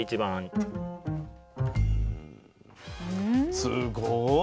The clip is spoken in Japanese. すごい。